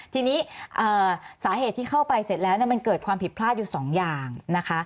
ทีนี้สาเหตุที่เข้าไปเสร็จแล้วมันเกิดความผิดพลาดอยู่สองอย่างนะคะ